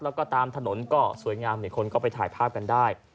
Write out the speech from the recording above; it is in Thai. แล้วก็ตามถนนก็สวยงามคนก็ไปถ่ายภาพกันได้